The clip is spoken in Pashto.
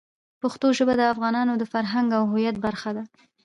پښتو ژبه د افغانانو د فرهنګ او هویت برخه ده.